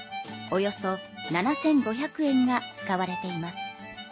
およそ７５００円が使われています。